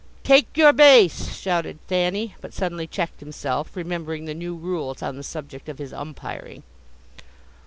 "Take your base!" shouted Thanny, but suddenly checked himself, remembering the new rules on the subject of his umpiring.